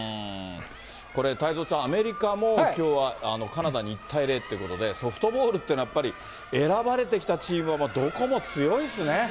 これ、太蔵ちゃん、アメリカもきょうはカナダに１対０ってことで、ソフトボールっていうのは、やっぱり選ばれてきたチームはどこも強いですね。